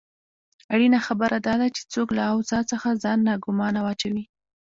اړینه خبره داده چې څوک له اوضاع څخه ځان ناګومانه واچوي.